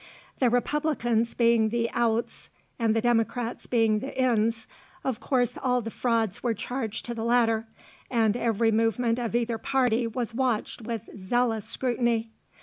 The Republicans being the "outs" and the Democrats being the "ins," of course all the frauds were charged to the latter, and every movement of either party was watched with zealous scrutiny.